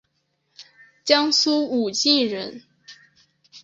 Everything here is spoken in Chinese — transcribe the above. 江苏武进人。